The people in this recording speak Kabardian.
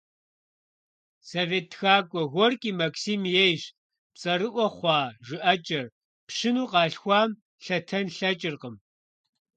Совет тхакӀуэ Горький Максим ейщ цӀэрыӀуэ хъуа жыӀэкӀэр: «Пщыну къалъхуам лъэтэн лъэкӀыркъым».